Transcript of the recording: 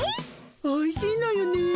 おいしいのよね。